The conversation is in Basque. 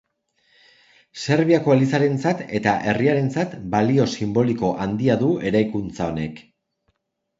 Serbiako elizarentzat eta herriarentzat balio sinboliko handia du eraikuntza honek.